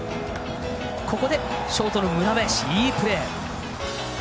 ここでショートの村林いいプレー。